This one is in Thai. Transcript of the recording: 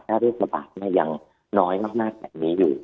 ถ้าโรคระบาดยังน้อยมากแบบนี้อยู่